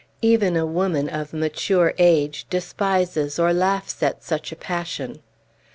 Even a woman, of mature age, despises or laughs at such a passion.